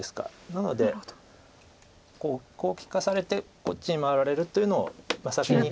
なのでこう利かされてこっちに回られるというのを先に。